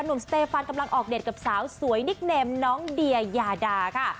สเตฟันกำลังออกเด็ดกับสาวสวยนิกเนมน้องเดียยาดาค่ะ